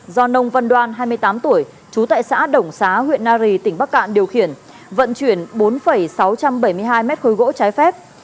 do nông văn đoan hai mươi tám tuổi trú tại xã đồng xá huyện nari tỉnh bắc cạn điều khiển vận chuyển bốn sáu trăm bảy mươi hai mét khối gỗ trái phép